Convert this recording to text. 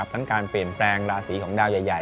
ทั้งการเปลี่ยนแปลงราศีของดาวใหญ่